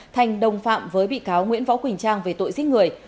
thành đồng phạm với bị cáo nguyễn võ quỳnh trang về tội giết người